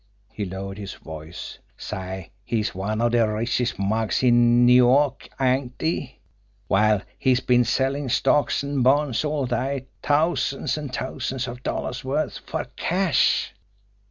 He lowered his voice "Say, he's one of de richest mugs in New York, ain't he? Well, he's been sellin' stocks an' bonds all day, t'ousands an' t'ousands of dollars' worth fer cash."